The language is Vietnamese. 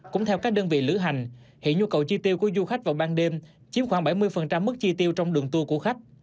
cũng theo các đơn vị lữ hành hiện nhu cầu chi tiêu của du khách vào ban đêm chiếm khoảng bảy mươi mức chi tiêu trong đường tour của khách